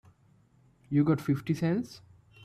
You got fifty cents?